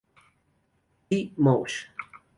P. Mosh".